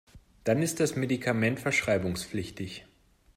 Dann ist das Medikament verschreibungspflichtig.